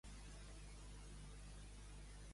Com ho puc fer per anar a Mura amb autobús?